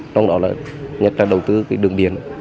trong đó là nhận ra đầu tư cái đường biển